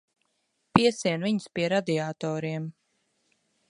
Piesien viņus pie radiatoriem.